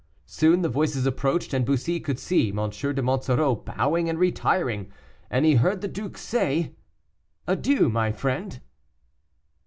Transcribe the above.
Soon the voices approached, and Bussy could see M. de Monsoreau bowing and retiring, and he heard the duke say: "Adieu, my friend."